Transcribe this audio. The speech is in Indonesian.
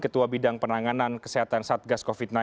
ketua bidang penanganan kesehatan satgas covid sembilan belas